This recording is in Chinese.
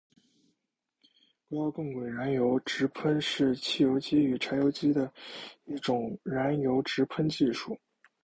高压共轨燃油直喷是汽油机与柴油机的一种燃油直喷技术。